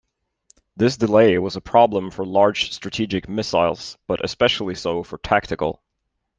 This delay was a problem for large strategic missiles, but especially so for tactical.